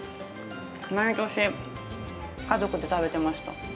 毎年、家族で食べてました。